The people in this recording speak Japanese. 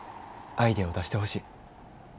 アイデアを出してほしい。